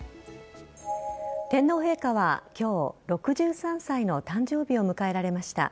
天皇陛下は今日６３歳の誕生日を迎えられました。